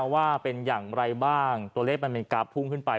ว่าเป็นอย่างไรบ้างตัวเลขมันเป็นกราฟพุ่งขึ้นไป